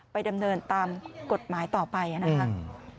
ดำเนินตามกฎหมายต่อไปนะครับ